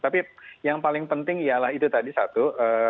tapi yang paling penting ialah itu tadi satu